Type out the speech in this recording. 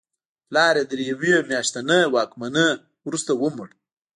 پلار یې تر یوې میاشتنۍ واکمنۍ وروسته ومړ.